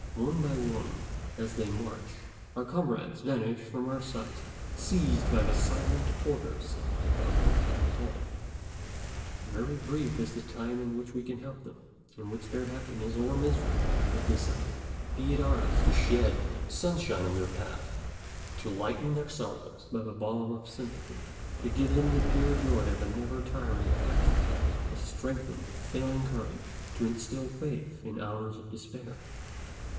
One by one, as they march, our comrades vanish from our sight, seized by the silent orders of omnipotent Death. Very brief is the time in which we can help them, in which their happiness or misery is decided. Be it ours to shed sunshine on their path, to lighten their sorrows by the balm of sympathy, to give them the pure joy of a never tiring affection, to strengthen failing courage, to instil faith in hours of despair.